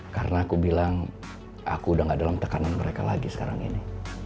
karena aku bilang aku udah nggak dalam tekanan mereka lagi sekarang ini